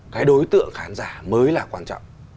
cái đối tượng khán giả mới là quan trọng